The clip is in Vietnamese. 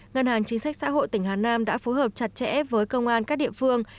ngân hàng chính sách xã hội tỉnh hà nam đã phối hợp chặt chẽ với công an các địa phương